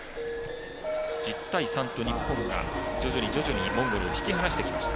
１０対３と日本が徐々にモンゴルを引き離してきました。